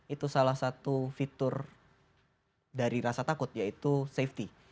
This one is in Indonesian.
itu salah satu fitur dari rasa takut yaitu safety